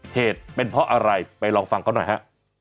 เหตุเป็นเพราะอะไรไปลองฟังเขาหน่อยฮะ